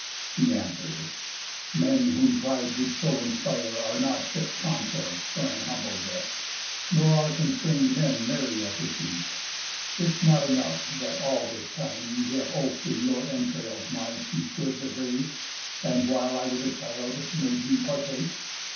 He answer'd: "Men, whom pride did so inspire, Are not fit consorts for an humble guest; Nor are constrain'd men merry at their feast. Is 't not enough, that all this time ye have Op'd in your entrails my chief goods a grave, And, while I was a child, made me partake?